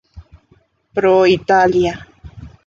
Pro Italia".